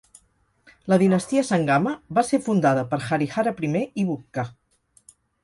La dinastia Sangama va ser fundada per Harihara I i Bukka.